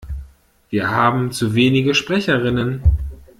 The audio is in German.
Wir haben zu wenige Sprecherinnen.